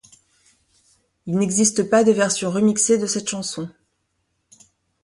Il n'existe pas de version remixée de cette chanson.